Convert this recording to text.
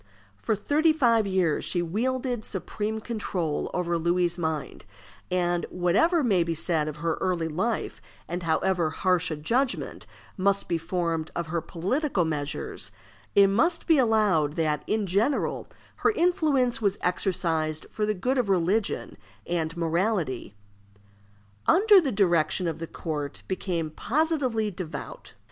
For thirty five years she wielded supreme control over Louis's mind; and whatever may be said of her early life, and however harsh a judgment must be formed of her political measures, it must be allowed that, in general, her influence was exercised for the good of religion and morality. Under her direction the court became positively devout.